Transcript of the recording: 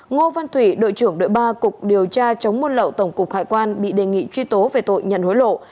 ngô văn thủy đội trưởng đội ba cục điều tra chống buôn lậu tổng cục hải quan bị đề nghị truy tố về tội nhận hối lộ